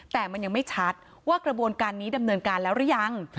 แต่มันยังไม่ชัดว่ากระบวนการนี้ดำเนินการแล้วหรือยัง